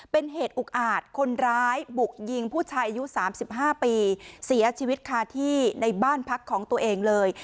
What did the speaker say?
เป็นเหตุอุกอาจคนร้ายบุกยิงผู้ชายอายุ๓๕ปีเสียชีวิตคาที่ในบ้านพักของตัวเองเลย